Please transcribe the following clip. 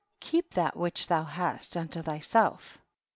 keep that which thou hast unto thyself.